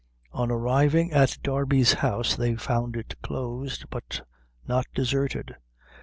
On arriving at Darby's house, they found it closed, but not deserted.